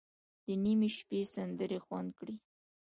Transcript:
د نیمې شپې سندرې خوند کړي.